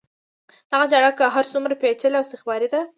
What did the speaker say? دغه جګړه که هر څومره پېچلې او استخباراتي ده.